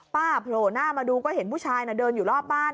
โผล่หน้ามาดูก็เห็นผู้ชายเดินอยู่รอบบ้าน